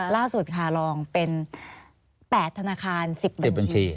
ล่าสุดค่ะลองเป็น๘ธนาคาร๑๑บัญชี